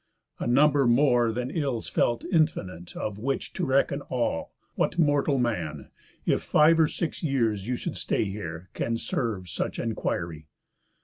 A number more that ills felt infinite; Of which to reckon all, what mortal man, If five or six years you should stay here, can Serve such enquiry?